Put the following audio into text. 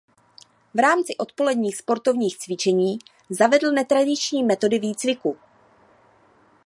V rámci odpoledních sportovních cvičení zavedl netradiční metody výcviku.